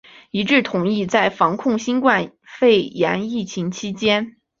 一致同意在防控新冠肺炎疫情期间